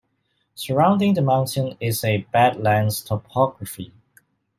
Surrounding the mountain is a badlands topography.